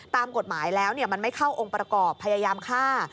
ตามกฎหมายแล้วมันไม่เข้าองค์ประกอบพยายามฆ่า